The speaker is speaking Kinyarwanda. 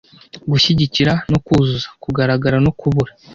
Gushyigikira no kuzuza, kugaragara no kubura,